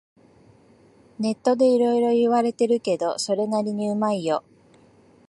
ネットでいろいろ言われてるけど、それなりにうまいよ